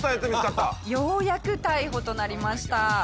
ようやく逮捕となりました。